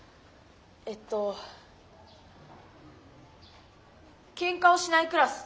えっと「ケンカをしないクラス」。